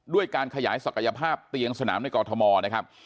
ด้วยการขยายศักยภาพเตียงสนามในกอทมนะครับ